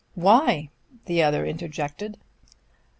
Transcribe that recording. "Why?" the other interjected.